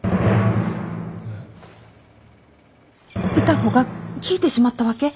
歌子が聞いてしまったわけ。